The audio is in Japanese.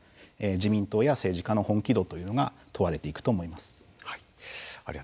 自民党や政治家の本気度というのが問われていくと思います。